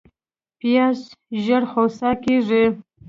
پیاز ژر خوسا کېږي